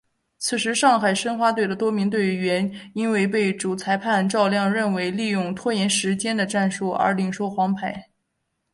此时上海申花队的多名队员因为被主裁判赵亮认为利用拖延时间的战术而领受黄牌。